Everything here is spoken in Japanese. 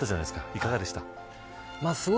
いかがでしたか。